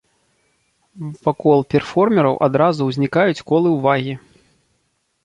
Вакол перформераў адразу ўзнікаюць колы ўвагі.